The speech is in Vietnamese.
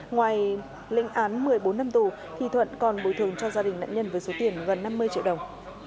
ngoài lệnh án một mươi bốn năm tù thuận còn bồi thường cho gia đình nạn nhân với số tiền gần năm mươi triệu đồng